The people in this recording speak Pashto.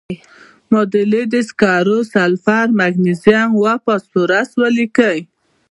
معادلې د سکرو، سلفر، مګنیزیم او فاسفورس ولیکئ.